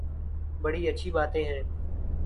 بڑی اچھی باتیں ہیں۔